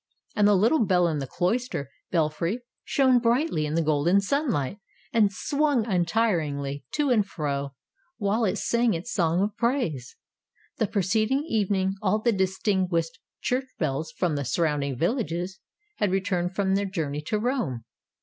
And the little bell in the cloister belfry shone brightly in the golden sunlight, and swung untiringly to and fro, while it sang its song of praise. The preceding evening all the distinguished church bells from the surrounding villages had returned from 128 Tales of Modern Germany their journey to Rome.